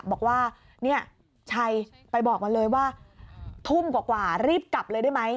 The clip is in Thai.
บอกว่าเนี่ยชัยไปบอกมาเลยว่าทุ่มกว่ารีบกลับเลยได้ไหม